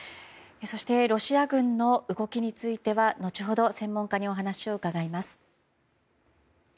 そしてロシア軍の動きについては後ほど専門家にお話を伺います。